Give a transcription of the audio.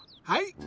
はい。